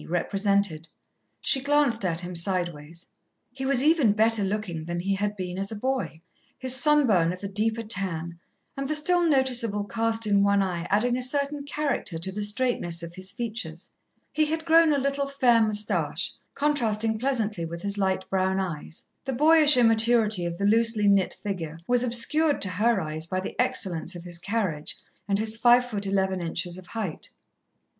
represented. She glanced at him sideways. He was even better looking than he had been as a boy, his sunburn of a deeper tan, and the still noticeable cast in one eye adding a certain character to the straightness of his features. He had grown a little, fair moustache, contrasting pleasantly with his light brown eyes. The boyish immaturity of the loosely knit figure was obscured to her eyes by the excellence of his carriage and his five foot eleven inches of height.